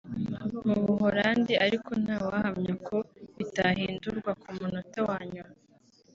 mu Buhorandi (ariko ntawahamya ko bitahindurwa ku munota wa nyuma)